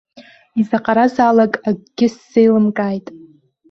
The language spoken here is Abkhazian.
Изаҟаразаалак акгьы сзеилымкааит.